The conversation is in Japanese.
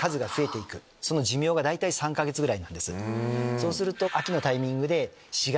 そうすると。